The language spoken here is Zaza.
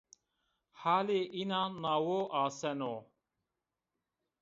Halê înan nawo aseno